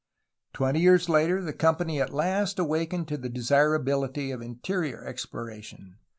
Twenty years later the company at last awakened to the desirability of interior exploration.